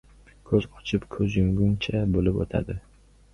Ko‘z ochib, ko‘z yumguncha bo‘lib o‘tadi!